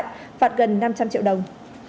phạt gần năm trăm linh triệu đồng